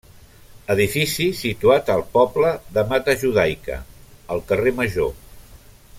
Edifici situat al poble de Matajudaica, al carrer Major.